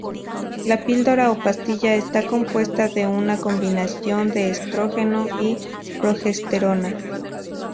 La píldora o pastilla está compuesta de una combinación de estrógeno y progesterona.